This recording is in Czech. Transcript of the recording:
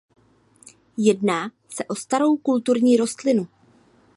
Jedná se o starou kulturní rostlinu.